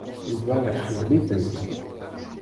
Yuba iḥemmel-itent.